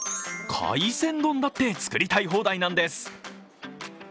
海鮮丼だって作りたい放題なんです。